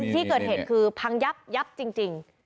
ที่เกิดเหตุคือพังยับยับจริง